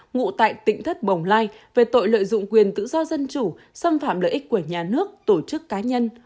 ngụ tại tỉnh thất bồng lai về tội lợi dụng quyền tự do dân chủ xâm phạm lợi ích của nhà nước tổ chức cá nhân